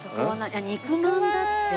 肉まんだって。